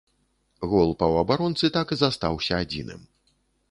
Гол паўабаронцы так і застаўся адзіным.